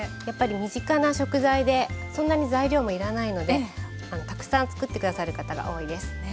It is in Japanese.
やっぱり身近な食材でそんなに材料もいらないのでたくさん作って下さる方が多いです。